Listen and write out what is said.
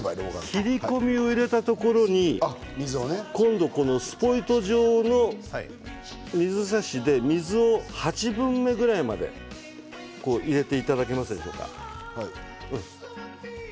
切り込みを入れたところ今度スポイト状の水差しで水を８分目ぐらいまで入れていただけますでしょうか。